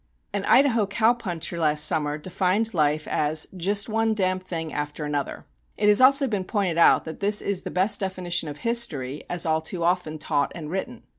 An Idaho cow puncher last summer defined life as "just one d thing after another." It has also been pointed out that this is the best definition of history, as all too often taught and written.